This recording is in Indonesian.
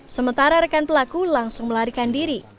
sementara rekan pelaku langsung melarikan diri